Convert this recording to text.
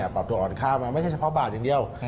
ปรับตัวอ่อนข้าวมาไม่ใช่เฉพาะบาทอย่างเดียว